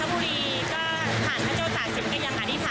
ขอให้คดีขี้คายอะไรอย่างเงี้ยค่ะ